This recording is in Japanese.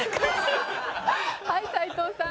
はい斉藤さん。